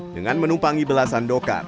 dengan menumpangi belasan dokar